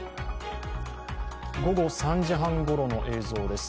午後３時半ごろの映像です。